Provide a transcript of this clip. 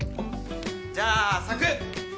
じゃあサク。